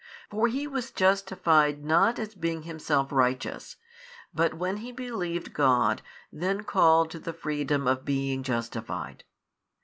For he was justified not as being himself righteous, but when he believed God then called to the freedom of being justified.